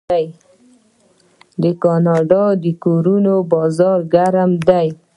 د کاناډا د کورونو بازار ګرم دی.